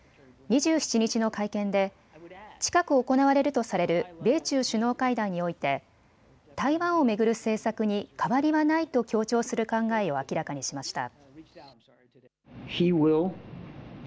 ２７日の会見で近く行われるとされる米中首脳会談において台湾を巡る政策に変わりはないと強調する考えを明らかにしました。